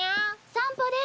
散歩です！